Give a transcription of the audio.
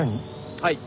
はい！